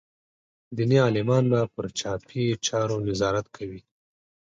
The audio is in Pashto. دیني عالمان به پر چاپي چارو نظارت کوي.